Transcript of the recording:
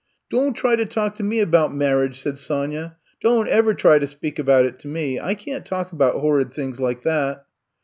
Don't try to talk to me about mar riage," said Sonya. Don't ever try to speak about it to me. I can't talk about horrid things like that.